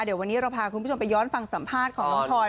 เดี๋ยววันนี้เราพาคุณผู้ชมไปย้อนฟังสัมภาษณ์ของน้องทอย